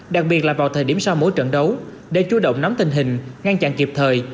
đặc biệt là vào thời điểm sau mỗi trận đấu để chú động nắm tình hình ngăn chặn kịp thời